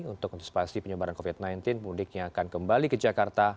untuk kontinusipasi penyebaran covid sembilan belas mudiknya akan kembali ke jakarta